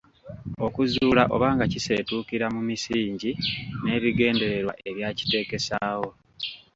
Okuzuula oba nga kiseetukira mu misingi n’ebigendererwa ebyakiteekesaawo.